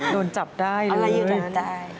โดนจับได้อะไรอยู่ด้านนั้นใช่